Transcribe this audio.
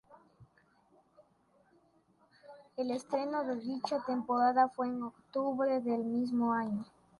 El estreno de dicha temporada fue en Octubre del mismo año.